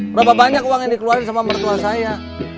berapa banyak uang yang dikeluarkan sama mertua saya